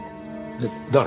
誰？